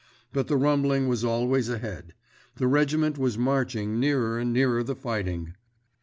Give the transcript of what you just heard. But the rumbling was always ahead—the regiment was marching nearer and nearer the fighting.